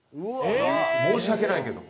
申し訳ないけど。